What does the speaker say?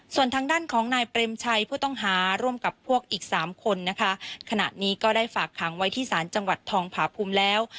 ส่วนทางด้านของนายเปรมชัยผู้ต้องหาร่วมกับพวกอีกสามคนนะคะขณะนี้ก็ได้ฝากขังไว้ที่ศาลจังหวัดทองผาภูมิแล้ว